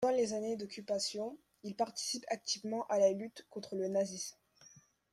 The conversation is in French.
Pendant les années d'occupation, il participe activement à la lutte contre le nazisme.